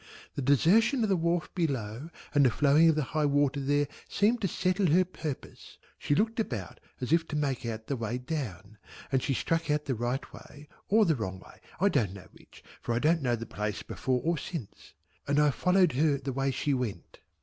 The desertion of the wharf below and the flowing of the high water there seemed to settle her purpose. She looked about as if to make out the way down, and she struck out the right way or the wrong way I don't know which, for I don't know the place before or since and I followed her the way she went.